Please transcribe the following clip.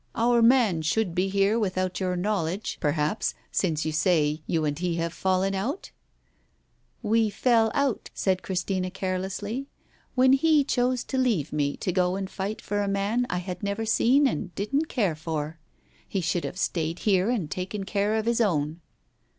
Our man should be here, without your knowledge, perhaps, since you say you and he have fallen out ?" "We fell out," said Christina carelessly, "when he chose to leave me to go and fight for a man I had never seen and didn't care for. He should have stayed here and taken care of his own."